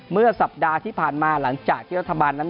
เมื่อสัปดาห์ที่ผ่านมาหลังจากที่รัฐบาลนั้น